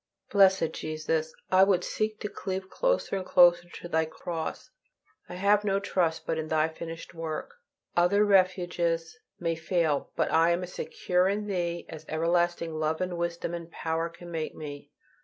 Blessed Jesus! I would seek to cleave closer and closer to Thy cross. I have no trust but in Thy finished work. Other refuges may fail, but I am as secure in Thee as everlasting love and wisdom and power can make me.